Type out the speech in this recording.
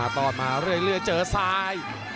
ตอนมาเรื่อยเจอซ้าย